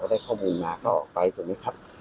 ก็ได้ข้อมูลมาก็ออกไปตรงนี้ครับ